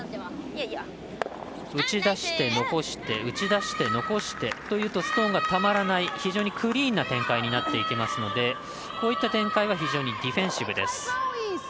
打ち出して残して打ち出して残してというとストーンがたまらない非常にクリーンな展開なってきますのでこういった展開は非常にディフェンシブです。